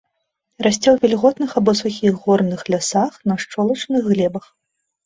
Расце ў вільготных або сухіх горных лясах, на шчолачных глебах.